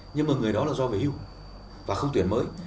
nhưng mà người đó là do về hưu và không tuyển mới